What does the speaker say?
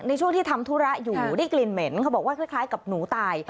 ในช่วงที่ทำธุระอยู่ได้กลิ่นเหม็นเขาบอกว่าคล้ายกับหนูตาย